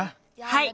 はい。